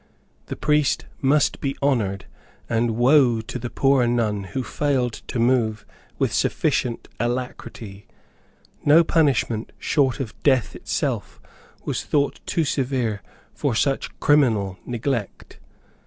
The priest must be honored, and woe to the poor nun who failed to move with sufficient alacrity; no punishment short of death itself was thought too severe for such criminal neglect.